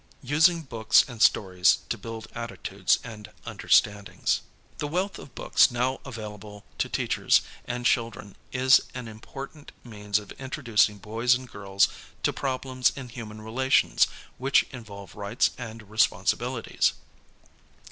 USING BOOKS AND STORIES TO BUILD ATTITUDES AND UNDERSTANDINGS The wealth of books now available to teachers ami children is an important means of introducing boys and girls to problems in human relations which involve rights and responsibilities.